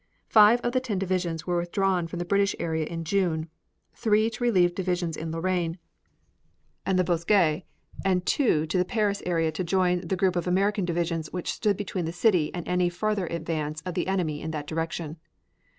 Five of the ten divisions were withdrawn from the British area in June, three to relieve divisions in Lorraine and the Vosges and two to the Paris area to join the group of American divisions which stood between the city and any farther advance of the enemy in that direction.